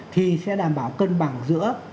thì sẽ đảm bảo cân bằng giữa